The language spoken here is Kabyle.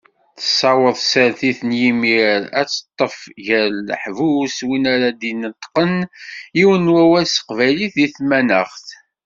Tessaweḍ tsertit n yimir, ad teṭṭef ɣer leḥbus win ara d-ineṭṭqen yiwen n wawal s teqbaylit deg tmanaɣt.